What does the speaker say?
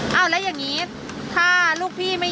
เพราะงานนี้มันเกี่ยวกับลูกพี่ทะเกะ